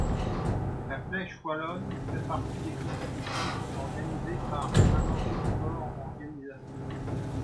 La Flèche wallonne fait partie des courses cyclistes organisées par Amaury Sport Organisation.